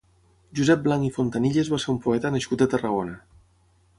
Josep Blanch i Fontanilles va ser un poeta nascut a Tarragona.